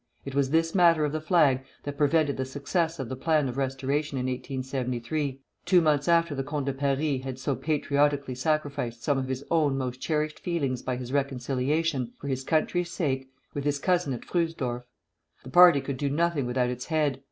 It was this matter of the flag that prevented the success of the plan of restoration in 1873, two months after the Comte de Paris had so patriotically sacrificed some of his own most cherished feelings by his reconciliation (for his country's sake) with his cousin at Fröhsdorf. The party could do nothing without its head.